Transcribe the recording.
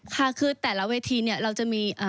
ค่ะคือแต่ละเวทีเนี่ยเราจะมี